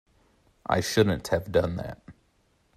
I shouldn't have done that.